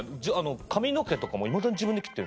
髪の毛とかもいまだに自分で切ってんですよ。